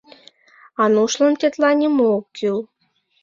Анушлан тетла нимо ок кӱл.